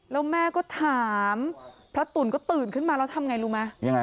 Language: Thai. แล้วแม่ก็ถามพระตุ๋นก็ตื่นขึ้นมาแล้วทำไงรู้ไหมยังไง